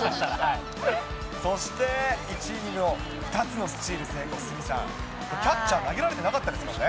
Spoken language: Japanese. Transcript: そして、１イニングを２スチール成功、鷲見さん、これ、キャッチャー投げられてなかったですからね。